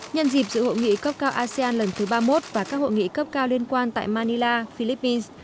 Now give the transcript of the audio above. nhân dịp dự hội nghị cấp cao asean lần thứ ba mươi một và các hội nghị cấp cao liên quan tại manila philippines